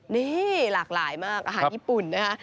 นี่หลากหลายมากอาหารญี่ปุ่นนะคะ